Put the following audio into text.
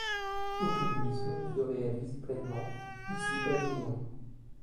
Aucune ambition ne se réalise pleinement, ici-bas du moins.